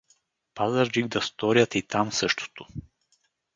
Пазарджик да сторят и там същото.